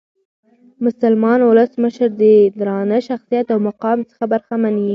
مسلمان اولس مشر د درانه شخصیت او مقام څخه برخمن يي.